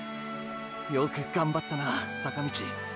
よくがんばったな坂道。